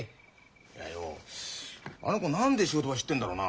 いやよあの子何で仕事場知ってんだろうな。